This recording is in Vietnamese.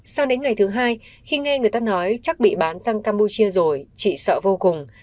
sang đến ngày thứ hai khi nghe người ta nói chắc bị bán sang campuchia rồi chị sợ vô cùng